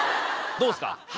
どうっすか？